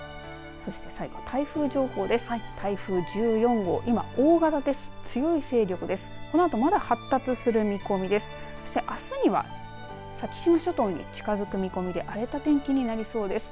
そしてあすには先島諸島に近づく見込みで荒れた天気になりそうです。